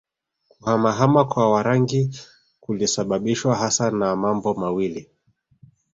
Kuhama hama kwa Warangi kulisababishwa hasa na mambo mawili